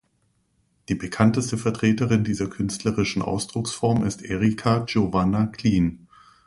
Die bekannteste Vertreterin dieser künstlerischen Ausdrucksform ist Erika Giovanna Klien.